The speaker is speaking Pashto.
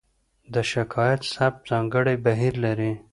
د شکایت ثبت ځانګړی بهیر لري.